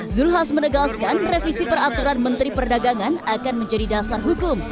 zulkifli hasan menegaskan revisi peraturan menteri perdagangan akan menjadi dasar hukum